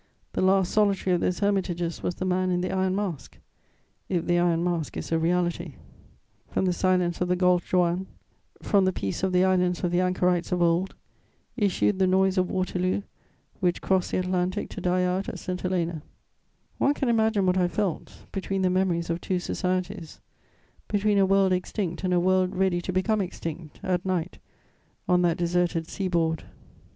The last solitary of those hermitages was the Man in the Iron Mask, if the Iron Mask is a reality. From the silence of the Golfe Juan, from the peace of the islands of the anchorites of old, issued the noise of Waterloo, which crossed the Atlantic to die out at St Helena. [Sidenote: In praise of indifference.] One can imagine what I felt, between the memories of two societies, between a world extinct and a world ready to become extinct, at night, on that deserted sea board.